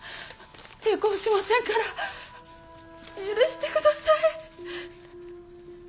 抵抗しませんから許して下さい。